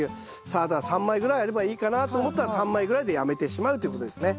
サラダは３枚ぐらいあればいいかなと思ったら３枚ぐらいでやめてしまうということですね。